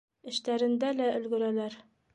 Эштәрендә лә өлгөрәләр.